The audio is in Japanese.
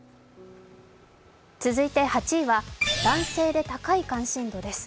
続いて８位は、男性で高い関心度です。